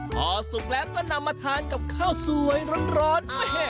พอสุกแล้วก็นำมาทานกับข้าวสวยร้อน